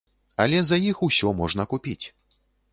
Але за іх усё можна купіць.